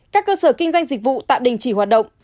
các cơ sở kinh doanh dịch vụ tạm đình chỉ hoạt động